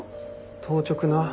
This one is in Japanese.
当直な。